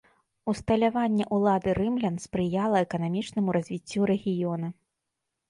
Усталяванне ўлады рымлян спрыяла эканамічнаму развіццю рэгіёна.